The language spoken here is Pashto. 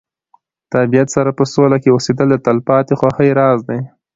د طبیعت سره په سوله کې اوسېدل د تلپاتې خوښۍ راز دی.